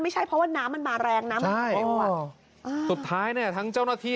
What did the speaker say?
ไม่ใช่เพราะว่าน้ำมันมาแรงนะใช่อ๋ออ๋อสุดท้ายเนี่ยทั้งเจ้าหน้าที่